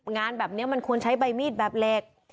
งานแบบนี้มันควรใช้ใบมีดแบบเหล็ก